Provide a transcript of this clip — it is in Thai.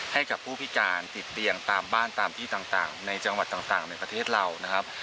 ให้กับผู้พิการติดเตียงตามบ้านตามที่ต่างในจังหวัดต่างในประเทศเรานะครับ